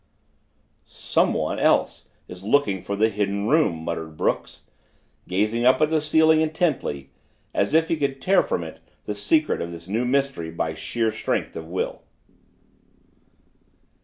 "Someone else is looking for the Hidden Room!" muttered Brooks, gazing up at the ceiling intently, as if he could tear from it the secret of this new mystery by sheer strength of will.